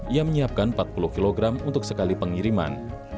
ia menyiapkan empat puluh kg untuk sekali pengiriman